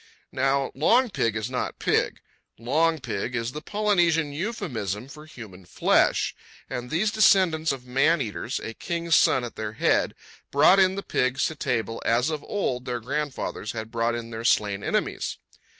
Now long pig is not pig. Long pig is the Polynesian euphemism for human flesh; and these descendants of man eaters, a king's son at their head, brought in the pigs to table as of old their grandfathers had brought in their slain enemies.